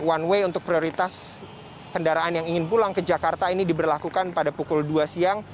one way untuk prioritas kendaraan yang ingin pulang ke jakarta ini diberlakukan pada pukul dua siang